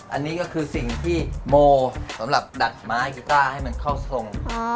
อันนี้ก็คือสิ่งที่โมสำหรับดักไม้กีต้าให้มันเข้าทรง